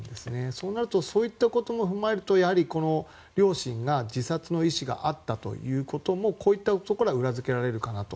そうなるとそういったことも踏まえると両親が自殺の意思があったということもこういったところから裏付けられるかなと。